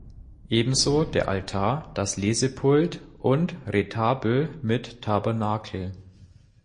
Ebenso der Altar, das Lesepult und Retabel mit Tabernakel.